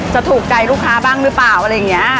จะถูกใจลูกค้าบ้างหรือเปล่าอะไรอย่างนี้